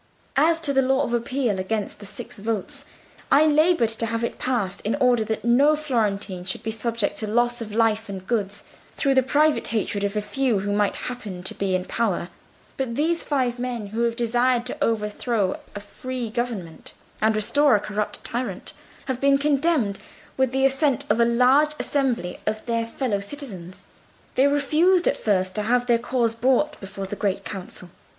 As to the law of Appeal against the Six Votes, I laboured to have it passed in order that no Florentine should be subject to loss of life and goods through the private hatred of a few who might happen to be in power; but these five men, who have desired to overthrow a free government and restore a corrupt tyrant, have been condemned with the assent of a large assembly of their fellow citizens. They refused at first to have their cause brought before the Great Council.